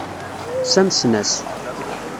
Ssamsen-as.